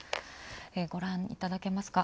ご覧いただけますか。